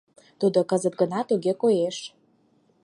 Тудо кызыт гына туге коеш.